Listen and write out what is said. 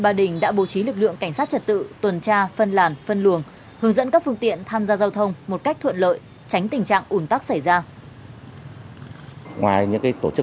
ba đình đã bố trí lực lượng cảnh sát trật tự tuần tra phân làn phân luồng hướng dẫn các phương tiện tham gia giao thông một cách thuận lợi tránh tình trạng ủn tắc xảy ra